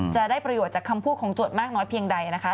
จะได้ประโยชน์จากคำพูดของโจทย์มากน้อยเพียงใดนะคะ